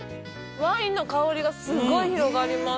ワインの香りがすごい広がります。